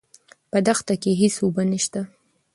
په دښته کې هېڅ اوبه نشته.